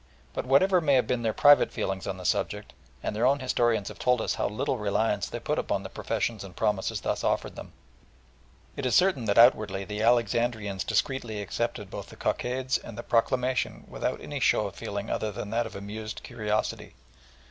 But whatever may have been their private feelings on the subject, and their own historians have told us how little reliance they put upon the professions and promises thus offered them, it is certain that outwardly the Alexandrians discreetly accepted both the cockades and the proclamation without any show of feeling other than that of amused curiosity.